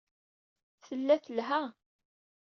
Tella telha.